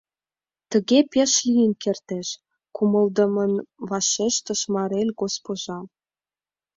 — Тыге пеш лийын кертеш, — кумылдымын вашештыш Марель госпожа.